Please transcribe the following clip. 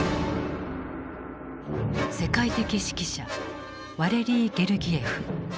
世界的指揮者ワレリー・ゲルギエフ。